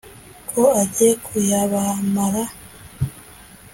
ko agiye kuyabamara